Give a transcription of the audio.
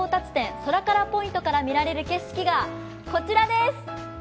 ソラカラポイントから見られる景色がこちらです。